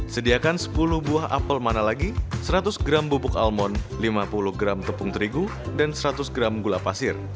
sediakan sepuluh buah apel mana lagi seratus gram bubuk almon lima puluh gram tepung terigu dan seratus gram gula pasir